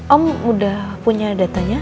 om udah punya datanya